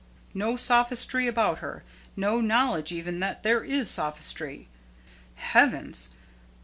No sophistry about her; no knowledge even that there is sophistry. Heavens!